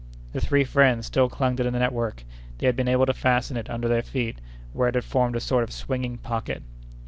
The three friends still clung to the network. They had been able to fasten it under their feet, where it had formed a sort of swinging pocket.